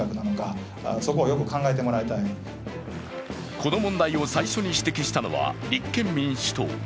この問題を最初に指摘したのは、立憲民主党。